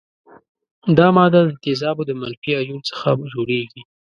دا ماده د تیزابو د منفي ایون څخه جوړیږي.